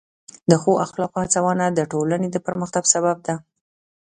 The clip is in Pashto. د ښو اخلاقو هڅونه د ټولنې د پرمختګ سبب ده.